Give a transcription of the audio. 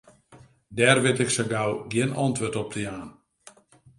Dêr wit ik sa gau gjin antwurd op te jaan.